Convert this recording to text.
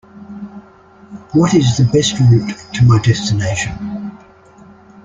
What is the best route to my destination?